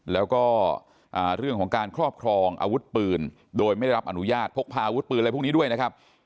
แล้วก็เรื่องของการครอบครองอาวุธปืนโดยไม่ได้รับอนุญาตพกพาอาวุธปืนอะไรพวกนี้ด้วยนะครับ